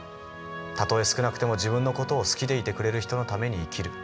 たとえ少なくても自分の事を好きでいてくれる人のために生きる。